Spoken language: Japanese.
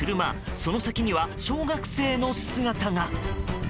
その先には小学生の姿が。